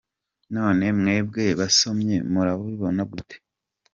None mwebwe basomyi murabibona gute ?